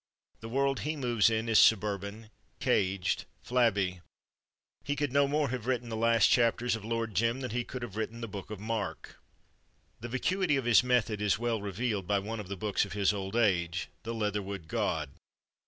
The world he moves in is suburban, caged, flabby. He could no more have written the last chapters of "Lord Jim" than he could have written the Book of Mark. The vacuity of his method is well revealed by one of the books of his old age, "The Leatherwood God."